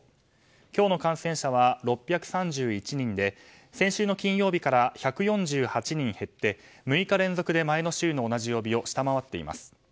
今日の感染者は６３１人で先週の金曜日から１４８人減って６日連続で前の週の同じ曜日を下回っています。